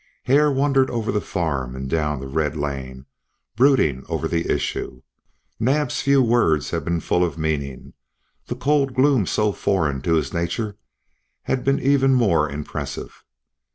Hare wandered over the farm and down the red lane, brooding over the issue. Naab's few words had been full of meaning; the cold gloom so foreign to his nature, had been even more impressive.